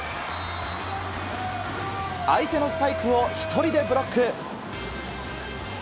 相手のスパイクを１人でブロック。